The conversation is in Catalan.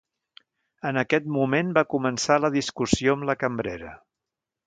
En aquest moment va començar la discussió amb la cambrera.